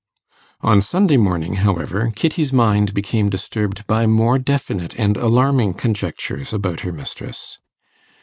On Sunday morning, however, Kitty's mind became disturbed by more definite and alarming conjectures about her mistress.